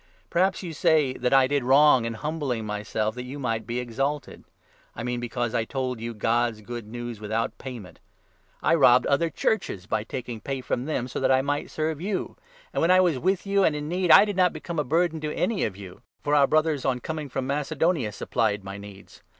Perhaps you say that I did wrong in humbling myself that 7 you might be exalted — I mean because I told you God's Good News without payment. I robbed other churches by taking 8 pay from them, so that I might serve you ! And, when I was 9 with you and in need, I did not become a burden to any of you ; for our Brothers, on coming from Macedonia, supplied my needs.